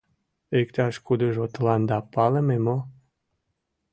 Иктаж-кудыжо тыланда палыме мо?